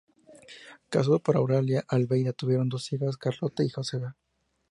Casado con Eulalia Almeida, tuvieron dos hijas: Carlota y Josefa.